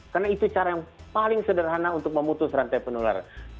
karena itu cara yang paling sederhana untuk memutus rantai penularan